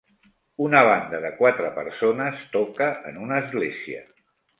Una banda de quatre persones toca en una església.